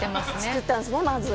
作ったんですねまず。